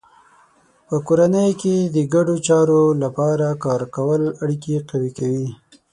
په کورنۍ کې د ګډو چارو لپاره کار کول اړیکې قوي کوي.